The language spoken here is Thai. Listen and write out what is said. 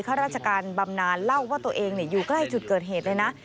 ข้าราชการบำนานเล่าว่าตัวเองอยู่ใกล้จุดเกิดเหตุเลยนะ